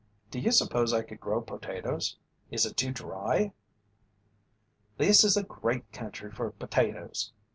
"Do you suppose I could grow potatoes? Is it too dry?" "This is a great country for potatoes.